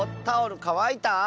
タオルかわいた？